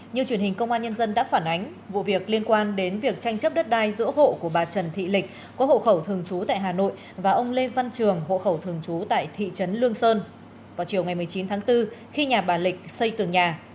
như truyền hình công an nhân dân đã phản ánh vụ việc liên quan đến việc tranh chấp đất đai giữa hộ của bà trần thị lịch có hộ khẩu thường trú tại hà nội và ông lê văn trường hộ khẩu thường trú tại thị trấn lương sơn vào chiều ngày một mươi chín tháng bốn khi nhà bà lịch xây tường nhà